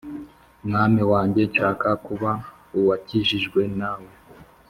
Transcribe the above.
Mwami Wanjye nshaka kuba uwakijijwe nawe